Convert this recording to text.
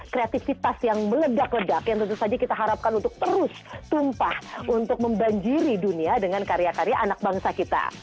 kreativitas yang meledak ledak yang tentu saja kita harapkan untuk terus tumpah untuk membanjiri dunia dengan karya karya anak bangsa kita